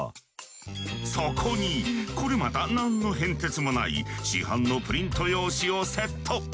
そこにこれまた何の変哲もない市販のプリント用紙をセット。